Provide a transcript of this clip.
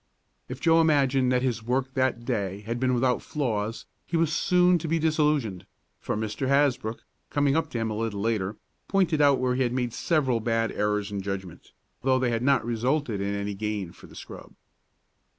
If Joe imagined that his work that day had been without flaws he was soon to be disillusioned, for Mr. Hasbrook, coming up to him a little later, pointed out where he had made several bad errors in judgment, though they had not resulted in any gain for the scrub.